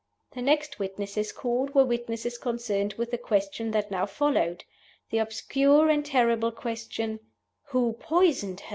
The next witnesses called were witnesses concerned with the question that now followed the obscure and terrible question, Who Poisoned Her?